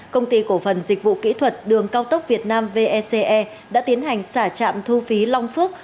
công ty cổ phần dịch vụ kỹ thuật đường cao tốc việt nam vece đã tiến hành xả chạm thu phí long phước